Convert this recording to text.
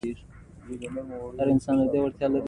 احمد مې پر سر کېناوو.